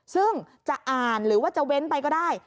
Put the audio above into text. ซึ่งจะอ่านหรือว่าจะเว้นไปก็ได้